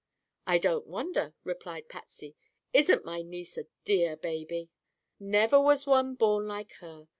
"I don't wonder," replied Patsy. "Isn't my niece a dear baby?" "Never was one born like her.